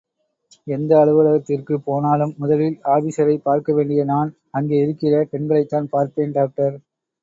எந்த அலுவலகத்திற்குப் போனாலும், முதலில் ஆபீஸரைப் பார்க்க வேண்டிய நான் அங்கே இருக்கிற பெண்களைத்தான் பார்ப்பேன் டாக்டர்!